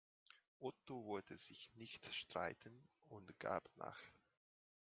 Otto wollte sich nicht streiten und gab nach.